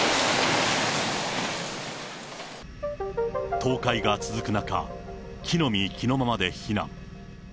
倒壊が続く中、着のみ着のままで避難。